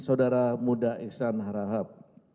saudara muda iksan harahap